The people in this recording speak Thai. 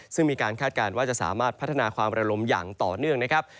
ซึ่งมีการคาดการณ์ว่าจะสามารถพัฒนาความระลมอย่างต่อเนื่องนะครับ